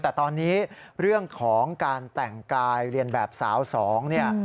แต่ตอนนี้เรื่องของการแต่งกายเรียนแบบสาวสองเนี่ย